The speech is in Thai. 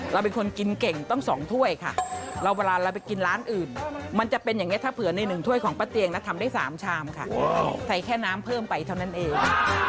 เราเป็นคนกินเก่งต้อง๒ถ้วยค่ะแล้วเวลาเราไปกินร้านอื่นมันจะเป็นอย่างนี้ถ้าเผื่อในหนึ่งถ้วยของป้าเตียงนะทำได้๓ชามค่ะใส่แค่น้ำเพิ่มไปเท่านั้นเอง